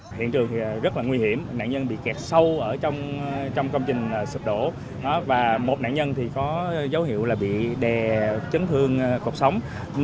điện trường rất nguy hiểm nạn nhân bị kẹt sâu trong công trình sụp đổ một nạn nhân có dấu hiệu bị đè chấn thương cột sống